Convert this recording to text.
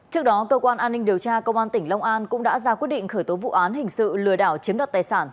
trước đó cơ quan an ninh điều tra công an tỉnh long an cũng đã ra quyết định khởi tố vụ án hình sự lừa đảo chiếm đoạt tài sản